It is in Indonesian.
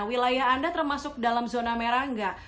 wilayah anda termasuk dalam zona merah nggak